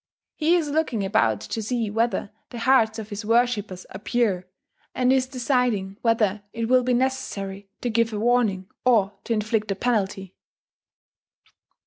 He is looking about to see whether the hearts of his worshippers are pure, and is deciding whether it will be necessary to give a warning, or to inflict a penalty.